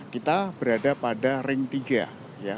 kita berada pada ring tiga ya